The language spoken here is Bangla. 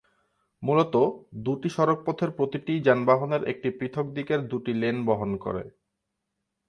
মূলত, দুটি সড়ক পথের প্রতিটিই যানবাহনের একটি পৃথক দিকের দুটি লেন বহন করে।